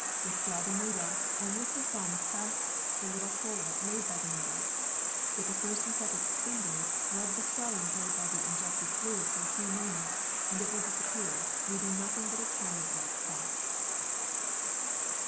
With draw the needle, and with the thumb press on the little hole made by the needle; with the first and second fingers rub the swelling made by the injected fluid for a few moments and it will disappear, leaving nothing but a tiny, red spot.